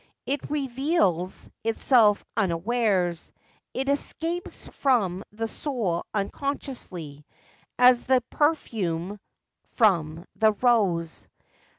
It reveals itself unawares ; it escapes from the soul unconsciously, as the perfume from the rose.